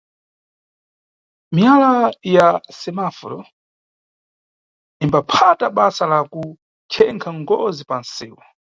Miwala ya semaforo imbaphata basa la kuchenkha ngozi za panʼsewu.